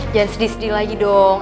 jangan sedih sedih lagi dong